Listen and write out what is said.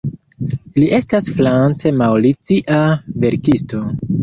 Li estas franc-maŭricia verkisto.